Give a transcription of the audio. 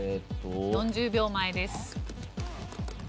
４０秒前です。